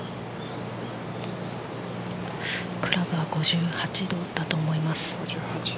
クラブは５８度だと思います。